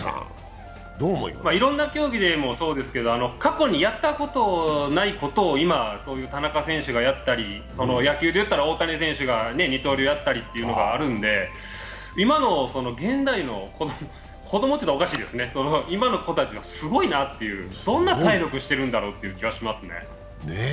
いろんな競技でもそうですけど、過去にやったことないことを今、田中選手がやったり、野球でいったら大谷選手が二刀流やったりというのがあるんで、現代の子供というのはおかしいですね、今の子たちはすごいなという、どんな体力してるんだろうという気がしますね。